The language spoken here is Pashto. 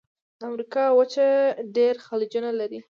د امریکا وچه ډېر خلیجونه لري.